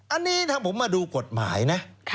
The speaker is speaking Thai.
อันนี้ถ้าผมมาดูกฎหมายนะ